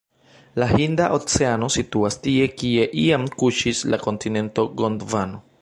La Hinda Oceano situas tie, kie iam kuŝis la kontinento Gondvano.